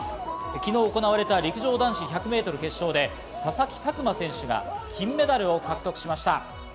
昨日行われた陸上男子１００メートル決勝で佐々木琢磨選手が金メダルを獲得しました。